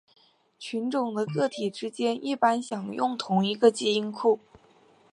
种群的个体之间一般享有同一个基因库。